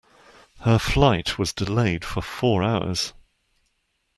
Her flight was delayed for four hours.